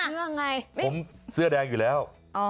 คุณน่ะผมเสื้อแดงอยู่แล้ว